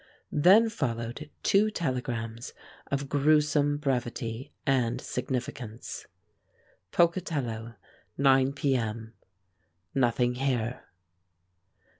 Then followed two telegrams of gruesome brevity and significance: POCATELLO, 9 P. M. Nothing here.